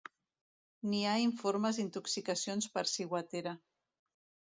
N'hi ha informes d'intoxicacions per ciguatera.